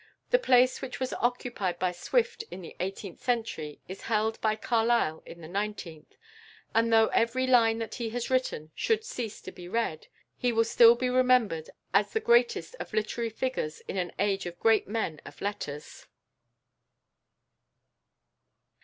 The place which was occupied by Swift in the eighteenth century is held by Carlyle in the nineteenth, and though every line that he has written should cease to be read, he will still be remembered as the greatest of literary figures in an age of great men of letters.